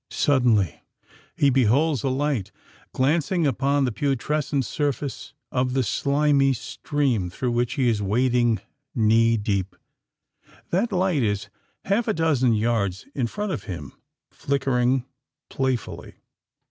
Suddenly he beholds a light glancing upon the putrescent surface of the slimy stream through which he is wading knee deep. That light is half a dozen yards in front of him—flickering playfully.